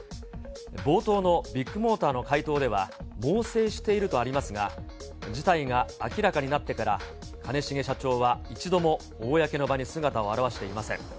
冒頭のビッグモーターの回答では、猛省しているとありますが、事態が明らかになってから、兼重社長は一度も公の場に姿を現していません。